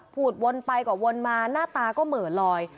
วนไปกว่าวนมาหน้าตาก็เหมือนลอย